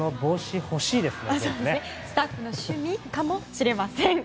スタッフの趣味かもしれません。